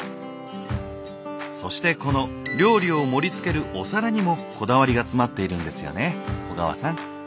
そしてこの料理を盛りつけるお皿にもこだわりが詰まっているんですよね小川さん？